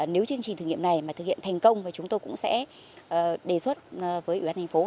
nếu chương trình thử nghiệm này thực hiện thành công chúng tôi cũng sẽ đề xuất với ubnd phố